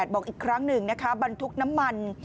บอกอีกครั้งหนึ่งนะคะบรรทุกน้ำมัน